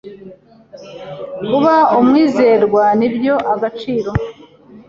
Kuba umwizerwa nibyo agaciro